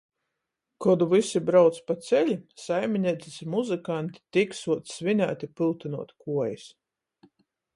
Kod vysi brauc paceli, saimineicys i muzykanti tik suoc svinēt i pyutynuot kuojis.